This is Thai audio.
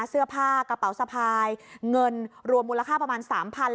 เสื้อผ้ากระเป๋าสะพายเงินรวมมูลค่าประมาณสามพัน